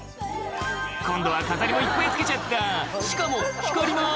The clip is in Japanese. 「今度は飾りもいっぱい付けちゃった」「しかも光ります」